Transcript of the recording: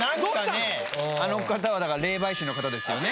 あの方はだから霊媒師の方ですよね